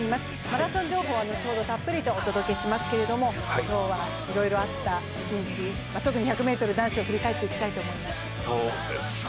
マラソン情報は後ほど、たっぷりとお届けしますけど、今日はいろいろあった一日特に１００ｍ男子を振り返っていきたいと思います。